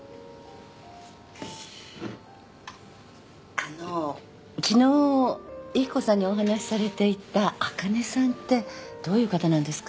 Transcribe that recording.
あの昨日雪子さんにお話しされていたあかねさんってどういう方なんですか？